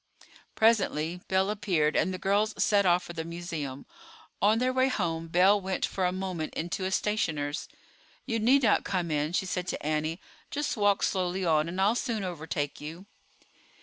Presently Belle appeared, and the girls set off for the Museum. On their way home Belle went for a moment into a stationer's. "You need not come in," she said to Annie; "just walk slowly on and I'll soon overtake you."